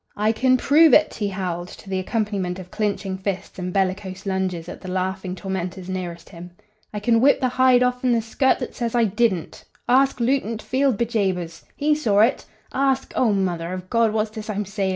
"I can prove ut," he howled, to the accompaniment of clinching fists and bellicose lunges at the laughing tormentors nearest him. "I can whip the hide off'n the scut that says I didn't. Ask Lootn't Field, bejabers! He saw it. Ask Oh, Mother of God! what's this I'm sayin'?"